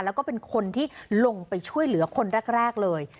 แล้วก็เป็นคนที่ลงไปช่วยเหลือคนแรกเลย